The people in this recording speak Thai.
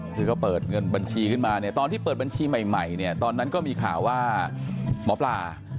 คือเขาเปิดเงินบัญชีขึ้นมาเนี่ยตอนที่เปิดบัญชีใหม่เนี่ยตอนนั้นก็มีข่าวว่าหมอปลา